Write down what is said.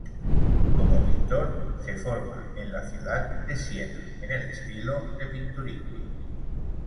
Como pintor, se forma en la ciudad de Siena en el estilo de Pinturicchio.